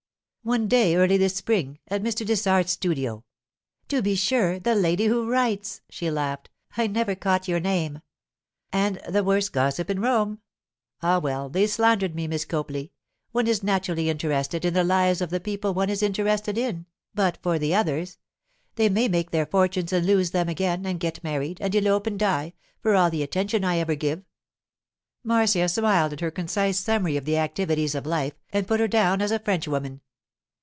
'One day, early this spring, at Mr. Dessart's studio——' 'To be sure! The lady who writes!' she laughed. 'I never caught your name.' 'And the worst gossip in Rome? Ah, well, they slandered me, Miss Copley. One is naturally interested in the lives of the people one is interested in—but for the others! They may make their fortunes and lose them again, and get married, and elope and die, for all the attention I ever give.' Marcia smiled at her concise summary of the activities of life, and put her down as a Frenchwoman.